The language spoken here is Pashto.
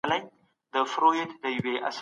بریا د روان سفر په څېر ده.